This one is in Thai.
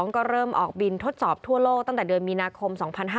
ก็เริ่มออกบินทดสอบทั่วโลกตั้งแต่เดือนมีนาคม๒๕๕๙